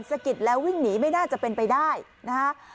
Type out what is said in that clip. สะกิดแล้ววิ่งหนีไม่น่าจะเป็นไปได้นะฮะ